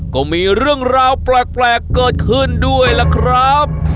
ก็มีเรื่องราวแปลกเกิดขึ้นด้วยล่ะครับ